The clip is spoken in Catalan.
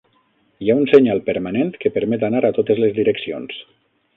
Hi ha un senyal permanent que permet anar a totes les direccions.